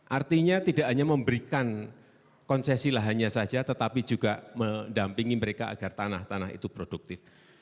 artinya tidak hanya memberikan konsesi lahannya saja tetapi juga mendampingi mereka agar tanah tanah itu produktif